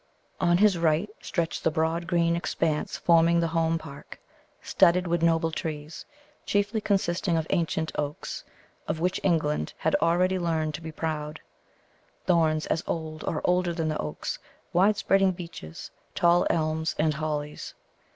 On his right stretched the broad green expanse forming the Home Park, studded with noble trees, chiefly consisting of ancient oaks, of which England had already learnt to be proud, thorns as old or older than the oaks, wide spreading beeches, tall elms, and hollies.